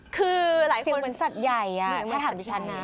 คือหลายคนเหมือนสัตว์ใหญ่ถ้าถามดิฉันนะ